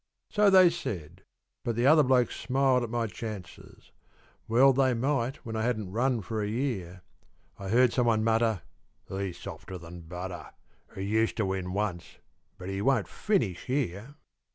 So they said; but the other blokes smiled at my chances, Well they might when I hadn't run for a year; I heard someone mutter, "He's softer than butter He used to win once, but he won't finish here."